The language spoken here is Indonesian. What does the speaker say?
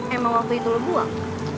emang waktu itu lo buang